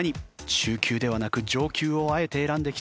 中級ではなく上級をあえて選んできた那須雄登。